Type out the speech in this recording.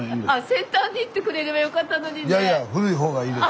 センターに行ってくれればよかったのにね。